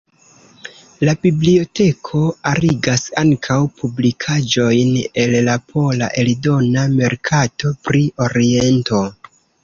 La biblioteko arigas ankaŭ publikaĵojn el la pola eldona merkato pri Oriento.